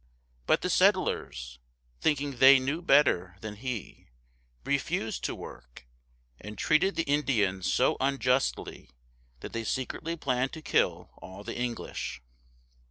But the settlers, thinking they knew better than he, refused to work, and treated the Indians so unjustly that they secretly planned to kill all the English.